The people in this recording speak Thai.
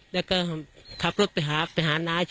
แล้วก็ขับรถไปหาไปหาน้า